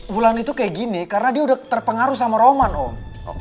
bulan itu kayak gini karena dia udah terpengaruh sama roman om